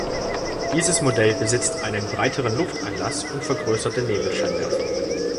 Dieses Modell besitzt einen breiteren Lufteinlass und vergrößerte Nebelscheinwerfer.